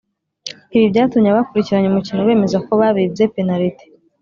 ibi byatumye abakurikiranye umukino bemeza ko babibye penaliti